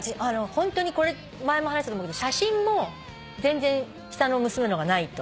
ホントにこれ前も話したと思うけど写真も全然下の娘のがないと。